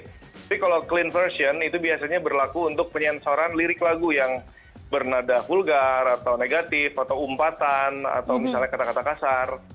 tapi kalau clean version itu biasanya berlaku untuk penyensoran lirik lagu yang bernada vulgar atau negatif atau umpatan atau misalnya kata kata kasar